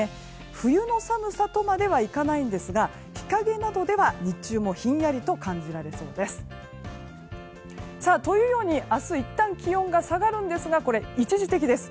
冬の寒さとまではいかないんですが日陰などでは日中もひんやりと感じられそうです。というように明日いったん気温が下がるんですがこれは一時的です。